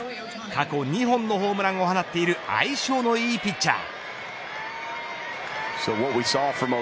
過去２本のホームランを放っている相性のいいピッチャー。